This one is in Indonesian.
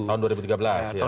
tahun dua ribu tiga belas